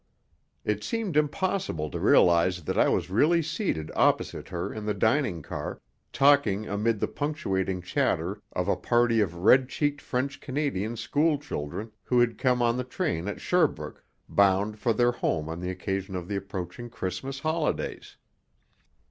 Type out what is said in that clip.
It seemed impossible to realize that I was really seated opposite her in the dining car, talking amid the punctuating chatter of a party of red cheeked French Canadian school children who had come on the train at Sherbrooke, bound for their home on the occasion of the approaching Christmas holidays.